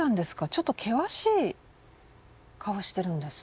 ちょっと険しい顔してるんですね。